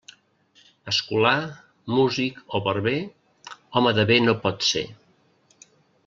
Escolà, músic o barber, home de bé no pot ser.